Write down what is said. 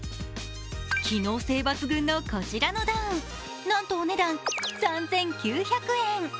機能性抜群のこちらのダウン、なんとお値段３９００円。